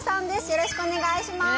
よろしくお願いします